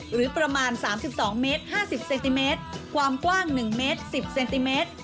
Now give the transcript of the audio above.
หรือประมาณสามสิบสองเมตรห้าสิบเซนติเมตรความกว้างหนึ่งเมตรสิบเซนติเมตร